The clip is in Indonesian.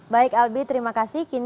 baik albi terima kasih